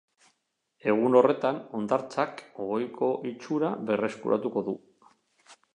Egun horretan, hondartzak ohiko itxura berreskuratuko du.